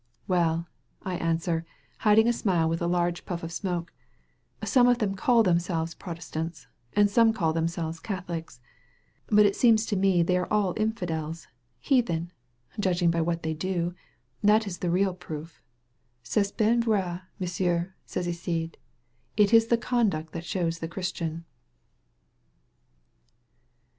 "Well," I answer, hiding a smile with a large puff of smoke, "some of them call themselves Protes tants and some call themselves Catholics. But it seems to me they are all infidels, heathen — ^judg ing by what they do. That is the real proof." 17« SKETCHES OF QUEBEC "C*est Ven vrai^ M*sieu\^* says Iside. "It is the conduct that shows the Christian."